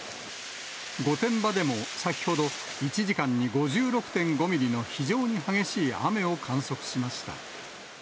御殿場でも先ほど１時間に５６．５ミリの非常に激しい雨を観測しました。